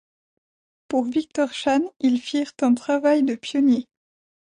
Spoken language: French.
Pour Victor Chan, ils firent un travail de pionnier.